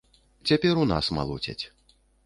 Цяпер у нас малоцяць.